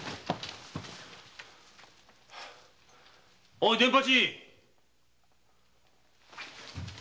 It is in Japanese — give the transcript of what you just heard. おい伝八！